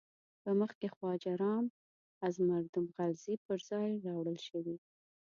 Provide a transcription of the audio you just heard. په مخ کې خواجه رام از مردم غلزی پر ځای راوړل شوی دی.